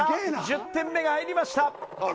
１０点目が入りました。